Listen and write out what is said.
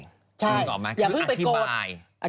อย่าเพิ่งไปโกรธ